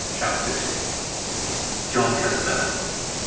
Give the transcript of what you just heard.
CHAPTER II. JOHN CASTELL.